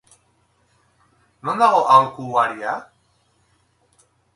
Non dago aholkuaria?